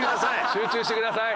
集中してください。